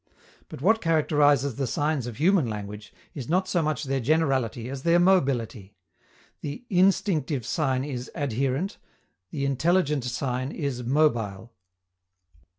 But what characterizes the signs of human language is not so much their generality as their mobility. The instinctive sign is adherent, the intelligent sign is mobile.